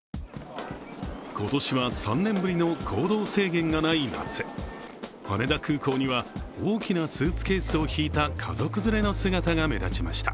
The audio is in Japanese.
今年は３年ぶりの行動制限がない夏羽田空港には、大きなスーツケースを引いた家族連れの姿が目立ちました。